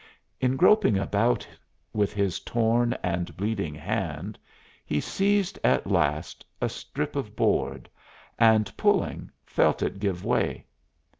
In groping about with his torn and bleeding hand he seized at last a strip of board, and, pulling, felt it give way.